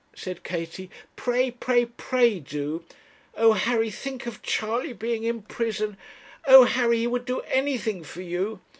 said Katie, 'pray, pray, pray, do! Oh, Harry, think of Charley being in prison! Oh, Harry, he would do anything for you!'